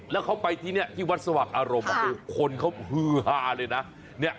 แล้วเขาไปที่นี่ที่วัดสว่างอารมณ์คนเขาฮือฮาเลยนะ